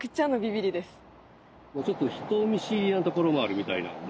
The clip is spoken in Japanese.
ちょっと人見知りなところもあるみたいなんで。